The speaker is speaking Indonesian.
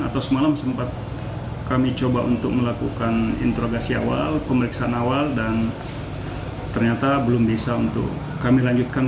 atau semalam sempat kami coba untuk melakukan interogasi awal pemeriksaan awal dan ternyata belum bisa untuk kami lanjutkan